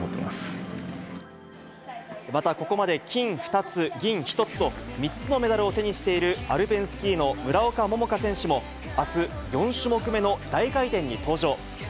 またここまで金２つ、銀１つと、３つのメダルを手にしているアルペンスキーの村岡桃佳選手も、あす、４種目目の大回転に登場。